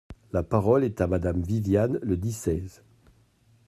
La parole est à Madame Viviane Le Dissez.